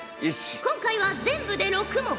今回は全部で６問。